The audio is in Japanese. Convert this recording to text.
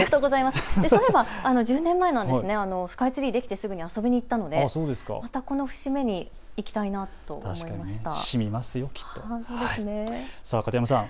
１０年前なんですね、スカイツリー、できてすぐ遊びに行ったのでまた、この節目に行きたいなと思いました。